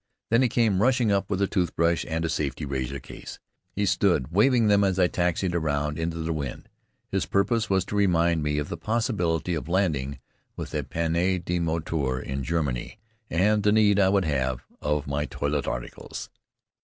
Then he came rushing up with a toothbrush and a safety razor case. He stood waving them as I taxied around into the wind. His purpose was to remind me of the possibility of landing with a panne de moteur in Germany, and the need I would then have of my toilet articles.